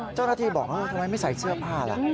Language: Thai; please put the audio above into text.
เจ้าหน้าที่บอกทำไมไม่ใส่เสื้อผ้าล่ะ